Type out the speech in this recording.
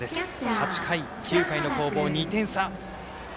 ８回、９回の攻防、２点差。